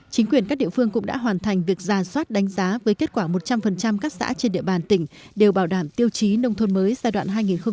chính quyền các địa phương cũng đã hoàn thành việc ra soát đánh giá với kết quả một trăm linh các xã trên địa bàn tỉnh đều bảo đảm tiêu chí nông thôn mới giai đoạn hai nghìn một mươi một hai nghìn hai mươi